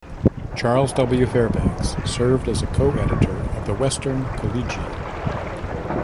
Charles W. Fairbanks served as a co-editor of the Western Collegian.